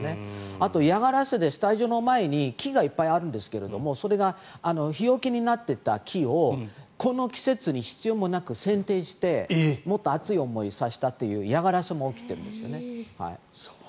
あと、嫌がらせでスタジオの前に木がいっぱいあるんですがそれが日よけになっていた木をこの季節に必要もなくせん定してもっと暑い思いをさせたという嫌がらせも起きてるんですよね。